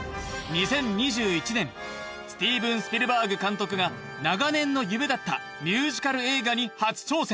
２０２１年スティーブン・スピルバーグ監督が長年の夢だったミュージカル映画に初挑戦